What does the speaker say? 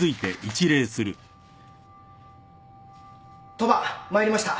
鳥羽参りました。